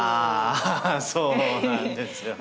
あそうなんですよ。